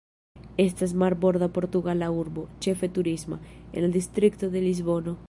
Estas marborda portugala urbo, ĉefe turisma, en la distrikto de Lisbono.